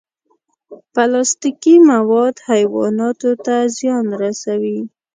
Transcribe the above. پلاستيکي مواد حیواناتو ته زیان رسوي.